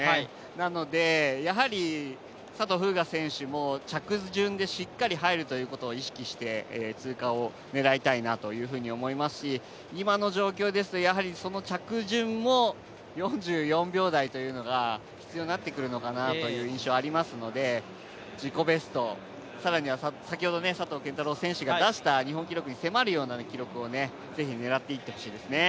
なのでやはり佐藤風雅選手も着順でしっかり入るということを意識して通過を狙いたいなというふうに思いますし今の状況ですと、やはりその着順も４４秒台というのが必要になってくるのかなという印象がありますので、自己ベスト、更には先ほど佐藤拳太郎選手が出した日本記録に迫るような記録をぜひ狙っていってほしいですね。